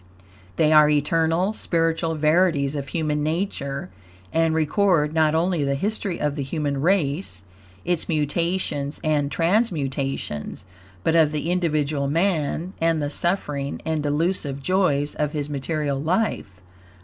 They are eternal, spiritual verities of human nature, and record, not only the history of the human race, its mutations and transmutations, but of the individual man and the suffering and delusive joys of his material life.